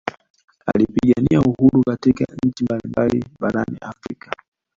Alipigania uhuru katika nchi mbali mbali barani Afrika